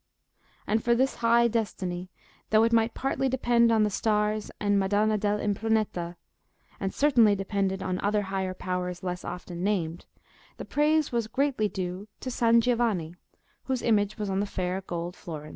And for this high destiny, though it might partly depend on the stars and Madonna dell' Impruneta, and certainly depended on other higher Powers less often named, the praise was greatly due to San Giovanni, whose image was on the fair gold florins.